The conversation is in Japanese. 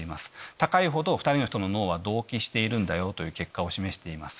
高いほど２人の脳は同期しているという結果を示しています。